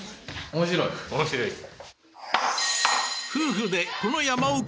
面白いです